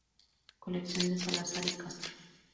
Colección de Salazar y Castro